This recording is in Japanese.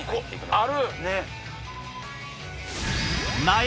ある！